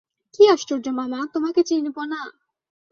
কী আশ্চর্য মামা, তোমাকে চিনিব না!